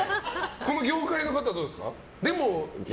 この業界の方ですか？